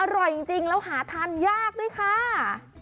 อร่อยจริงแล้วหาทานยากด้วยค่ะ